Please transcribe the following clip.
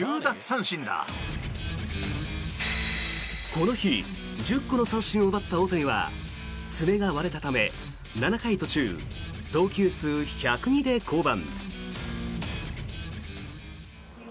この日１０個の三振を奪った大谷は爪が割れたため７回途中、投球数１０２で降板。